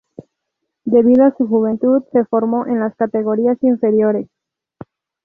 Debido a su juventud, se formó en las categorías inferiores.